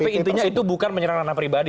tapi intinya itu bukan menyerang ranah pribadi